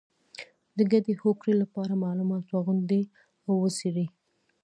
د ګډې هوکړې لپاره معلومات راغونډ او وڅېړئ.